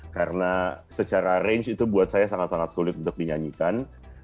karena secara range itu buat saya sangat sangat sulit untuk dinyanyikan